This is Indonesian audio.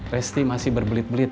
resti masih berbelit belit